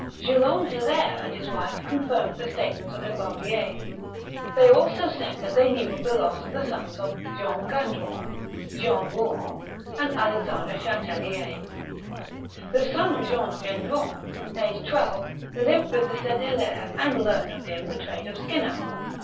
Guillaume Hilaire and his wife confirmed the state ments of Lebarbier. They also said that they knew of the loss of the sons of Jean Gendron, Jeanne Eouen, and Alexandre Chatellier. The son of Jean Gendron, aged twelve, lived with the said Hilaire and learned of him the trade of skinner.